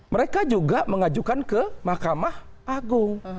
mereka juga mengajukan ke mahkamah agung